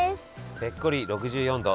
ぺっこり６４度。